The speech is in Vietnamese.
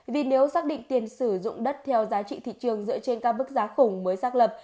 vì nếu xác định tiền sử dụng đất theo giá trị thị trường dựa trên các bức giá khủng mới xác lập